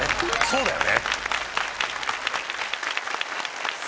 そうよね！